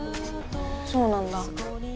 そうなんだ。